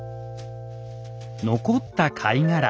残った貝殻